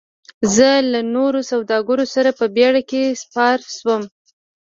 زه له نورو سوداګرو سره په بیړۍ کې سپار شوم.